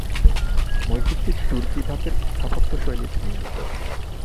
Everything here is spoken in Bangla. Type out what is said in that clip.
মসজিদটি তুর্কি ধাঁচের স্থাপত্য শৈলীতে নির্মিত।